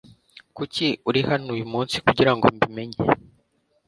Kuki uri hano uyu munsi kugirango mbi menye